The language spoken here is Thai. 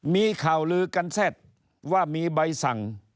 มีข่าวลือกันแซ่บว่ามีใบสั่ง